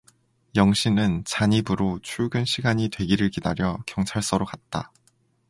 영신은 잔입으로 출근 시간이 되기를 기다려 경찰서로 갔다.